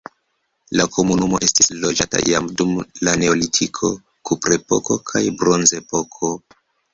La komunumo estis loĝata jam dum la neolitiko, kuprepoko kaj bronzepoko.